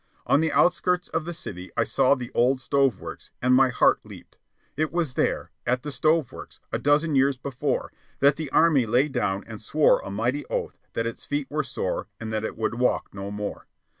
On the outskirts of the city I saw the old stove works, and my heart leaped. It was there, at the stove works, a dozen years before, that the Army lay down and swore a mighty oath that its feet were sore and that it would walk no more.